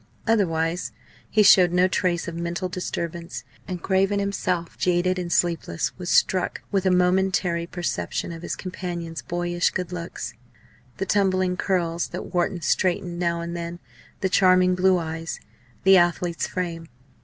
Otherwise he showed no trace of mental disturbance; and Craven, himself jaded and sleepless, was struck with a momentary perception of his companion's boyish good looks the tumbling curls, that Wharton straightened now and then, the charming blue eyes, the athlete's frame.